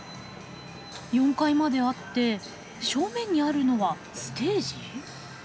４階まであって正面にあるのはステージ？